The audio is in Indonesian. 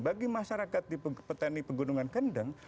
bagi masyarakat di petani pegunungan kendeng